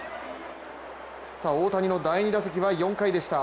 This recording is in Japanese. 大谷の第２打席は、４回でした。